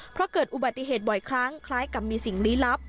เพราะเกิดอุบัติเหตุบ่อยครั้งคล้ายกับมีสิ่งลี้ลับ